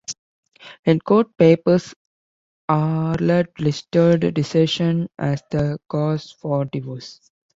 In court papers, Arlett listed "desertion" as the cause for divorce.